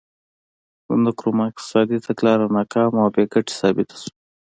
د نکرومه اقتصادي تګلاره ناکامه او بې ګټې ثابته شوه.